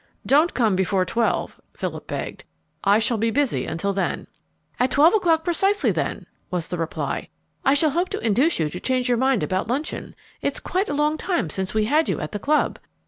"Don't come before twelve," Philip begged. "I shall be busy until then." "At twelve o'clock precisely, then," was the reply. "I shall hope to induce you to change your mind about luncheon. It's quite a long time since we had you at the club.